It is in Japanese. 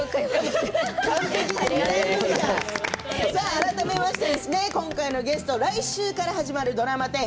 改めまして今回のゲスト来週から始まるドラマ１０